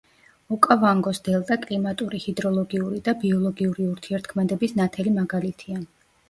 ოკავანგოს დელტა კლიმატური, ჰიდროლოგიური და ბიოლოგიური ურთიერთქმედების ნათელი მაგალითია.